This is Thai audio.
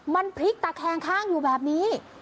มันพลิกตะแคงข้างอยู่แบบนี้